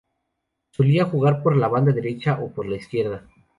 Solía jugar por la banda derecha o por la izquierda.